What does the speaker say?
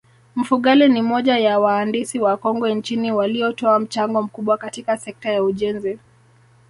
Mfugale ni moja ya waandisi wakongwe nchini waliotoa mchango mkubwa katika sekta ya ujenzi